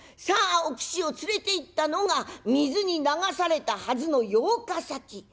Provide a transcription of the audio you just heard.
さあお吉を連れていったのが水に流されたはずの養家先。